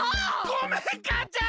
ごめんかあちゃん！